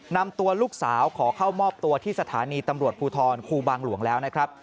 นำตัวลูกสาวขอเข้ามอบตัวที่สถานีตำรวจภูทรครูบางหลวงแล้วนะครับ